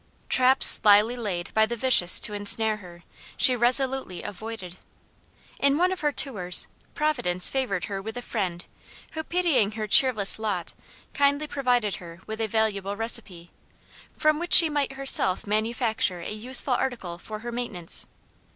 Traps slyly laid by the vicious to ensnare her, she resolutely avoided. In one of her tours, Providence favored her with a friend who, pitying her cheerless lot, kindly provided her with a valuable recipe, from which she might herself manufacture a useful article for her maintenance.